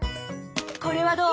これはどう？